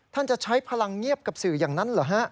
จะใช้พลังเงียบกับสื่ออย่างนั้นเหรอฮะ